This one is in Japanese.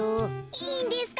いいんですか？